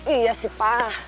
iya sih pa